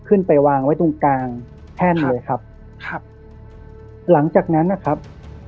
ขึ้นไปวางไว้ตรงกลางแท่นเลยครับครับหลังจากนั้นนะครับ